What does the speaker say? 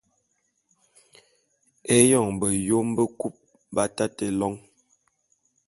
Éyoň beyom bekub b’atate lôň.